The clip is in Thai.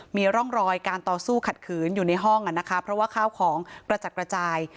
มีร่องรอยการต่อสู้ขัดขืนอยู่ในห้องเพราะว่าข้าวของกระจัดกระจาย